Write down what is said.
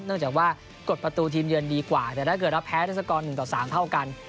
จากว่ากดประตูทีมเยือนดีกว่าแต่ถ้าเกิดเราแพ้ด้วยสกอร์๑ต่อ๓เท่ากัน